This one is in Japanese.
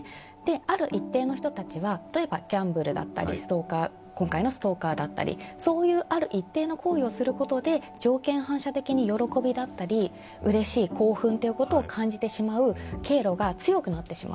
ある一定の人たちは、例えばギャンブルだったり、今回のストーカーだったり、そういうある一定の行為をすることで条件反射的に喜びだったり、嬉しい、興奮ということを感じてしまう経路が強くなってしまう。